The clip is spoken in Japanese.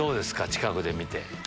近くで見て。